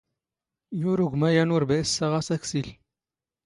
ⵢⵓⵔⵓ ⴳⵯⵎⴰ ⵢⴰⵏ ⵓⵔⴱⴰ ⵉⵙⵙⴰⵖ ⴰⵙ ⴰⴽⵙⵉⵍ.